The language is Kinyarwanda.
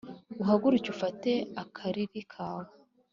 Uhaguruke ufate akariri kawe